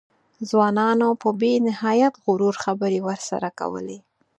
ځوانانو په بې نهایت غرور خبرې ورسره کولې.